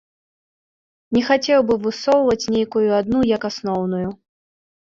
Не хацеў бы высоўваць нейкую адну як асноўную.